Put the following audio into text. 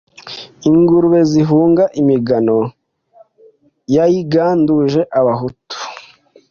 Ingurube zihunga imigano Yayiganduje abahutu